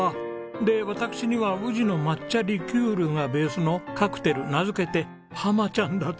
で私には宇治の抹茶リキュールがベースのカクテル名付けて「ＨＡＭＡＣＨＡＮ」だって。